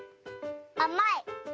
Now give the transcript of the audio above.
あまい。